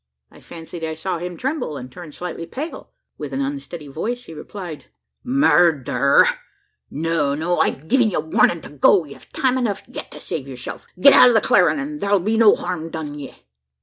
I fancied I saw him tremble, and turn slightly pale! With an unsteady voice he replied: "Murder? No, no; I've gin ye warnin' to go. Ye've time enuf yet to save yerself. Git out o' the clarin', an' thur'll be no harm done ye!"